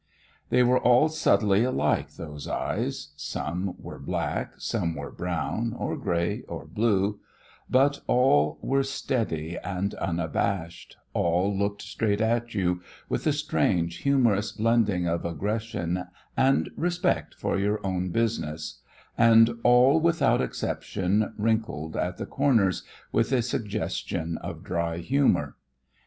They were all subtly alike, those eyes. Some were black, some were brown, or gray, or blue, but all were steady and unabashed, all looked straight at you with a strange humorous blending of aggression and respect for your own business, and all without exception wrinkled at the corners with a suggestion of dry humor.